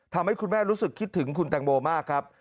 ทำให้คุณแม่รู้สึกคิดถึงคุณแตงโมมากครับ